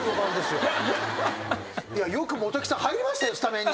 よく元木さん入れましたねスタメンに。